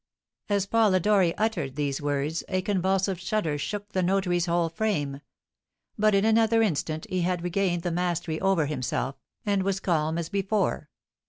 As Polidori uttered these words, a convulsive shudder shook the notary's whole frame; but in another instant he had regained the mastery over himself, and was calm as before.